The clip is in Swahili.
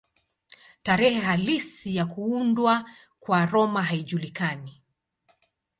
Tarehe halisi ya kuundwa kwa Roma haijulikani.